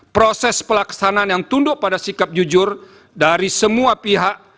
proses pelaksanaan yang tunduk pada sikap jujur dari semua pihak